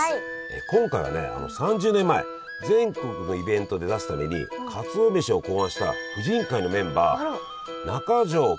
今回はね３０年前全国のイベントで出すためにかつお飯を考案した婦人会のメンバー中城精子さんのエピソードです。